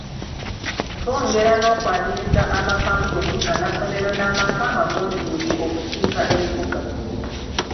Twongera n’okwaniriza amakampuni, amasomero n’amaka amaggundiivu okukiika embuga.